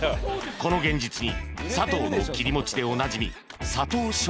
この現実にサトウの切り餅でおなじみ